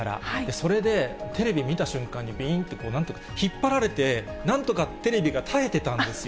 それで、テレビ見た瞬間にびーんと、引っ張られて、なんとかテレビが耐えてたんですよ。